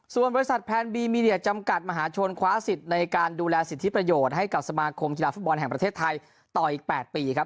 ส่วนบริษัทแพนบีมีเดียจำกัดมหาชนคว้าสิทธิ์ในการดูแลสิทธิประโยชน์ให้กับสมาคมกีฬาฟุตบอลแห่งประเทศไทยต่ออีก๘ปีครับ